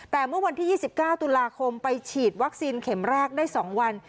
แต่เมื่อวันที่๒๙ตุลาคมไปฉีดวัคซีนเข็มแรกได้๒วัน